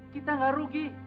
kita enggak rugi